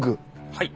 はい。